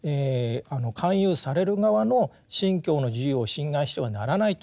勧誘される側の信教の自由を侵害してはならないということをですね